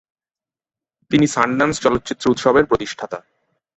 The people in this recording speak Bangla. তিনি সানড্যান্স চলচ্চিত্র উৎসবের প্রতিষ্ঠাতা।